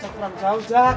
kurang jauh jak